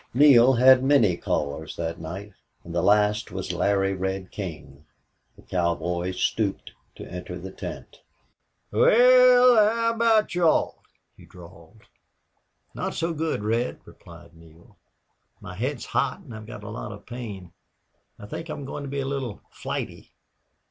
Neale had many callers that night, and the last was Larry Red King. The cowboy stooped to enter the tent. "Wal, how aboot you all?" he drawled. "Not so good, Red," replied Neale. "My head's hot and I've got a lot of pain. I think I'm going to be a little flighty.